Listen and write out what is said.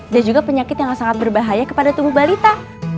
dan juga penyakit yang sangat berbahaya kepada tubuh balita